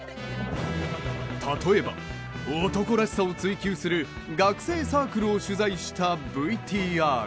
例えば、男らしさを追求する学生サークルを取材したＶＴＲ。